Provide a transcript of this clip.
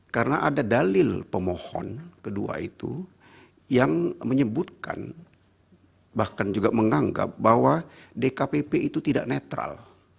karena ada dalil pemohon kedua itu yang menyebutkan bahkan juga menganggap bahwa dkpp itu tidak netral